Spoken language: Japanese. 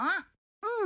うん。